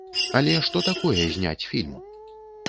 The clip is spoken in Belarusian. Але што такое зняць фільм?